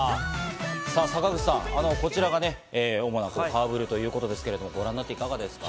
坂口さん、こちらが主な顔触れということですけど、ご覧になっていかがですか？